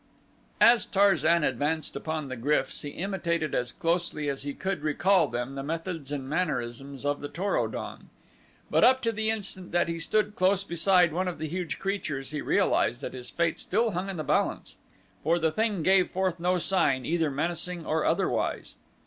As Tarzan advanced upon the gryfs he imitated as closely as he could recall them the methods and mannerisms of the Tor o don, but up to the instant that he stood close beside one of the huge creatures he realized that his fate still hung in the balance, for the thing gave forth no sign, either menacing or otherwise.